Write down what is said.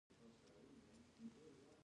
زده کړه نجونو ته د کتاب لوستلو مینه ورکوي.